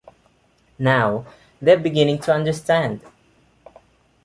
Now they're beginning to understand.